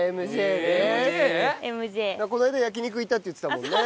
この間焼き肉行ったって言ってたもんね。